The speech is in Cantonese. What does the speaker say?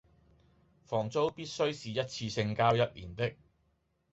房租必須是一次性交一年的